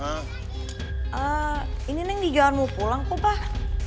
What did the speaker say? eee ini neng di jalan mau pulang kok pak